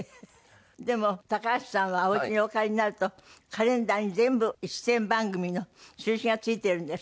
でも高橋さんはおうちにお帰りになるとカレンダーに全部出演番組の印がついてるんですって？